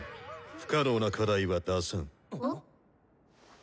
不可能な課題は出さん。